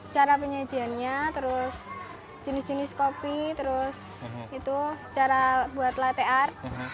cara penyajiannya jenis jenis kopi cara buat latte art